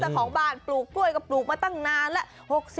ของบ้านปลูกกล้วยก็ปลูกมาตั้งนานแล้ว